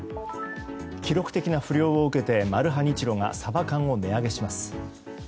記録的な不漁を受けてマルハニチロがサバ缶を値上げします。